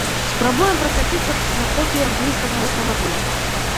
Спрабуем пракаціцца на копіі англійскага рэтра-мабіля.